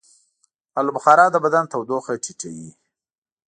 آلوبخارا د بدن تودوخه ټیټوي.